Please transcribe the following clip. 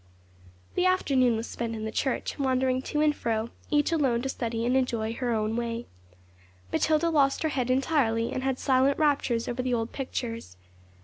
The afternoon was spent in the church, wandering to and fro, each alone to study and enjoy in her own way. Matilda lost her head entirely, and had silent raptures over the old pictures.